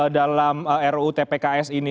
dalam rutpks ini